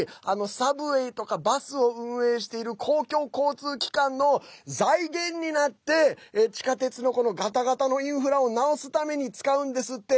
サブウェイとかバスを運営している公共交通機関の財源になって地下鉄のガタガタのインフラを直すために使うんですって。